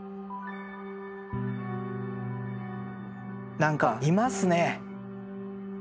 何かいますね！